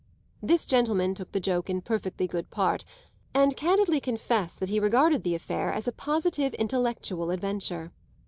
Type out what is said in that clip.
This gentleman took the joke in perfectly good part and candidly confessed that he regarded the affair as a positive intellectual adventure.